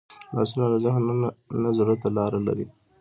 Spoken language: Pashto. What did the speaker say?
لاسونه له ذهن نه زړه ته لاره لري